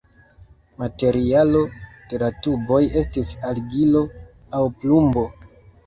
Materialo de la tuboj estis argilo aŭ plumbo.